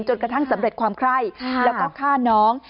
จนกระทั่งสำเร็จความไคร่แล้วก็ฆ่าน้อง